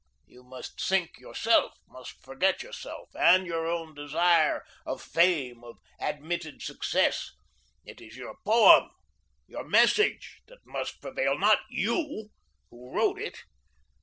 You must sink yourself; must forget yourself and your own desire of fame, of admitted success. It is your POEM, your MESSAGE, that must prevail, not YOU, who wrote it.